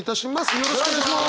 よろしくお願いします。